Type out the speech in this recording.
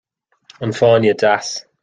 An fáinne deas